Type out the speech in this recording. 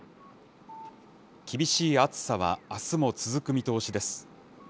厳しい暑さはあすも続く見通しです。